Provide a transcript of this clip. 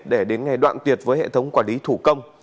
để đến ngày đoạn tuyệt với hệ thống quản lý thủ công